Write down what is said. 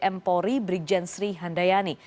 empori brikjen sri handayani